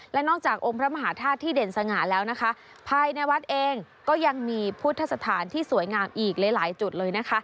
และนอกจากองค์พระมหาธาตุที่เด่นสง่าแล้วนะคะภายในวัดเองก็ยังมีพุทธสถานที่สวยงามอีกหลายจุดเลยนะคะ